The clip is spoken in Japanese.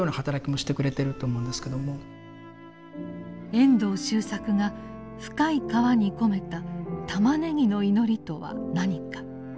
遠藤周作が「深い河」に込めた「玉ねぎ」の祈りとは何か。